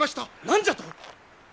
何じゃと！？